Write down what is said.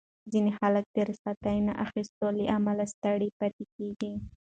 ځینې خلک د رخصتۍ نه اخیستو له امله ستړي پاتې کېږي.